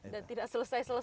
dan tidak selesai selesai ya